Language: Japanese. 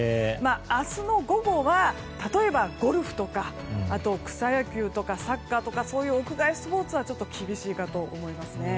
明日の午後は例えばゴルフとか草野球とかサッカーとかそういう屋外スポーツは厳しいかと思います。